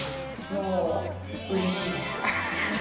もううれしいです。